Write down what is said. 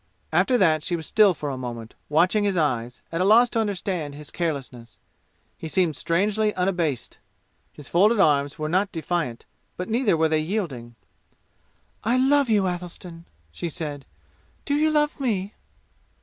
After that she was still for a moment, watching his eyes, at a loss to understand his carelessness. He seemed strangely unabased. His folded arms were not defiant, but neither were they yielding. "I love you, Athelstan!" she said. "Do you love me?"